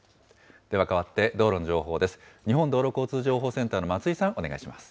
ではかわって、道路の情報です。